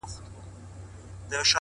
اوس د دې څيزونو حرکت بې هوښه سوی دی _